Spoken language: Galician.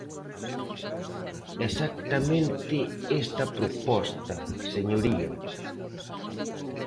Exactamente esta proposta, señoría.